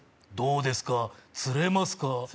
「どうですか釣れますか？」